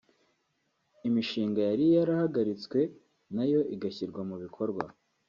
imishinga yari yarahagaritswe nayo igashyirwa mu bikorwa